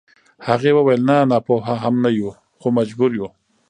هغې وويل نه ناپوهه هم نه يو خو مجبور يو.